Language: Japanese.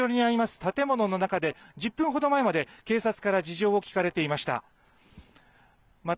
建物の中で１０分ほど前まで警察から事情を聞かれていました。